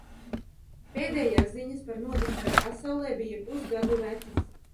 Pēdējās ziņas par notikumiem pasaulē bija pusgadu vecas.